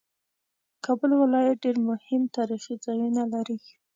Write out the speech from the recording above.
کابل ولایت ډېر مهم تاریخي ځایونه لري